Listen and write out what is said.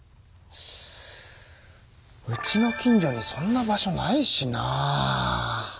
うちの近所にそんな場所ないしな？